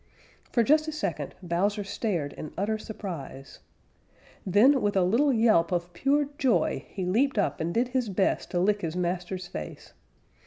For just a second Bowser stared in utter surprise. Then with a little yelp of pure joy he leaped up and did his best to lick his master's face.